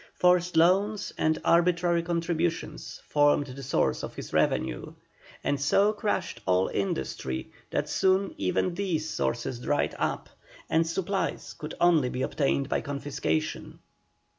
Forced loans and arbitrary contributions formed the sources of his revenue, and so crushed all industry that soon even these sources dried up, and supplies could only be obtained by confiscations.